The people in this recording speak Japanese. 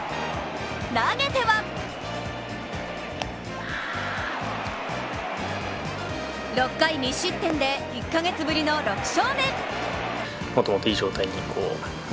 投げては６回２失点で１か月ぶりの６勝目。